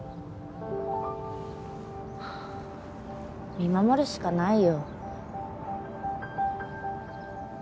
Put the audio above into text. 見守るしかないよ。